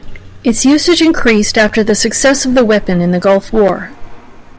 Its usage increased after the success of the weapon in the Gulf War.